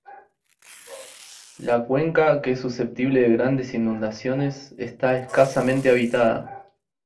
La cuenca, que es susceptible de grandes inundaciones, está escasamente habitada.